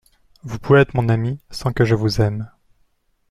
Vous pouvez être mon ami, sans que je vous aime.